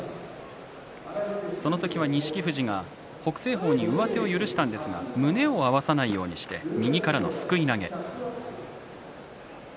その時は錦富士が北青鵬に上手を許したんですが胸を合わさないようにして右からのすくい投げ。